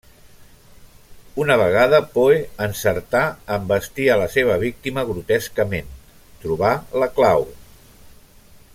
Una vegada Poe encertà en vestir a la seva víctima grotescament, trobà la clau.